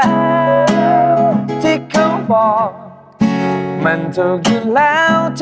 คนจะอยากร้องมากเลย